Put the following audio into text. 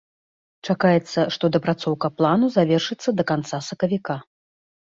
Чакаецца, што дапрацоўка плану завершыцца да канца сакавіка.